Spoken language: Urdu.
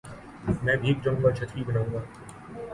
میں بھیگ جاؤں گا چھتری نہیں بناؤں گا